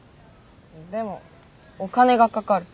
でもお金がかかる。